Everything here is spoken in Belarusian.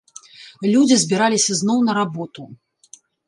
Людзі збіраліся зноў на работу.